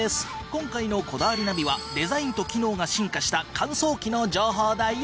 今回の『こだわりナビ』はデザインと機能が進化した乾燥機の情報だよ！